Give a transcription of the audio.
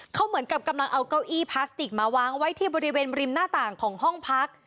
เขาเหมือนกับกำลังเอาเก้าอี้พลาสติกมาวางไว้ที่บริเวณริมหน้าต่างของห้องพัก